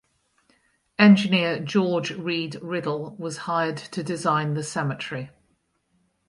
Engineer George Read Riddle was hired to design the cemetery.